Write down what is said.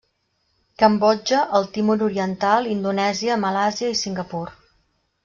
Cambodja, el Timor Oriental, Indonèsia, Malàisia i Singapur.